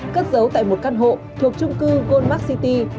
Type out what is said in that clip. cất giấu tại một căn hộ thuộc trung cư goldmart city